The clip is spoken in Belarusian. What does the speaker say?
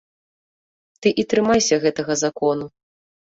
Ты і трымайся гэтага закону.